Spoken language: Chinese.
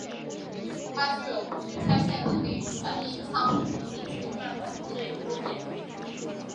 它具有不需拆卸反应舱就可以清除舱壁附着的半导体物质这一优点。